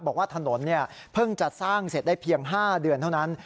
บอกว่าถนนเพิ่งจะสร้างเสร็จได้เพียง๕เดือนเท่านั้น